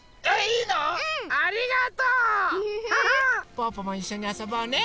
ぽぅぽもいっしょにあそぼうね！